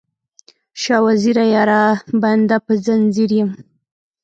شاه وزیره یاره، بنده په ځنځیر یم